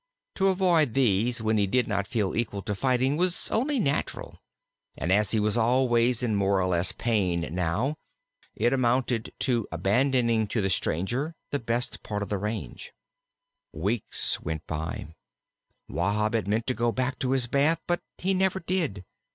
To avoid these when he did not feel equal to fighting was only natural, and as he was always in more or less pain now, it amounted to abandoning to the stranger the best part of the range. Weeks went by. Wahb had meant to go back to his bath, but he never did.